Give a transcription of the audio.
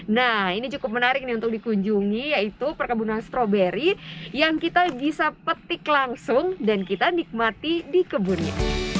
nah ini cukup menarik nih untuk dikunjungi yaitu perkebunan stroberi yang kita bisa petik langsung dan kita nikmati di kebunnya